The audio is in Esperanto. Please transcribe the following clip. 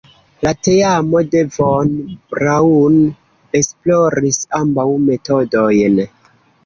La teamo de Von Braun esploris ambaŭ metodojn.